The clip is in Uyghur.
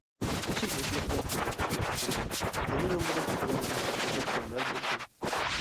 ئېسىل ھېكمەتلەر ئىكەن. ياقتۇردۇم. تېما يوللىغۇچى قېرىندىشىمغا تەشەككۈرلەر بولسۇن!